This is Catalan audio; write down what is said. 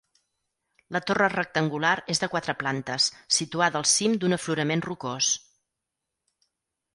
La torre rectangular és de quatre plantes, situada al cim d'un aflorament rocós.